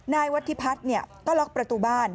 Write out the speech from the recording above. นายวัฒิพัฒน์ก็ล็อกประตูบ้าน